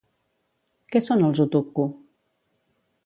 Què són els Utukku?